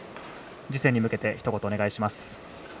次戦に向けてひと言お願いします。